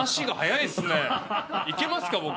いけますか？